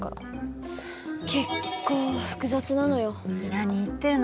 何言ってるの。